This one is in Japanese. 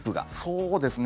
そうですね。